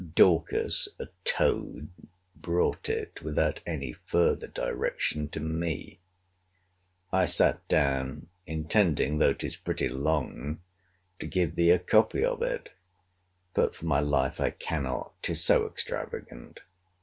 Dorcas, a toad, brought it, without any further direction to me. I sat down, intending (though 'tis pretty long) to give thee a copy of it: but, for my life, I cannot; 'tis so extravagant.